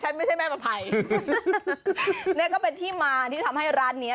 ไม่ใช่แม่ประภัยเนี้ยก็เป็นที่มาที่ทำให้ร้านเนี้ย